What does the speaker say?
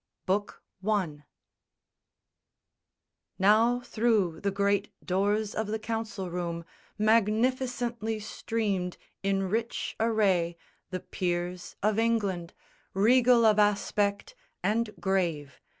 BOOK I Now through the great doors of the Council room Magnificently streamed in rich array The peers of England, regal of aspèct And grave.